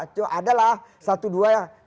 cuma adalah satu dua ya